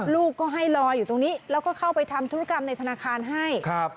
ลูกก็ให้รออยู่ตรงนี้แล้วก็เข้าไปทำธุรกรรมในธนาคารให้ครับ